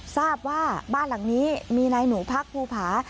ทราบว่าบ้านหลังนี้มีนายหนูพักภูผา